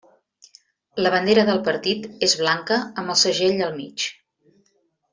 La bandera del partit és blanca amb el segell al mig.